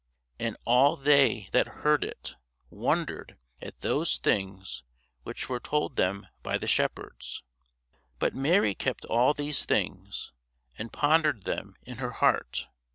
And all they that heard it wondered at those things which were told them by the shepherds. But Mary kept all these things, and pondered them in her heart.